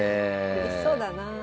うれしそうだな。